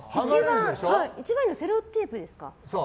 一番いいのはセロテープですか？